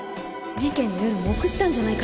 事件の夜も送ったんじゃないかしら